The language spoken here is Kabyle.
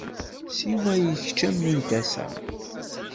Siwa i kečč a mmi n tasa.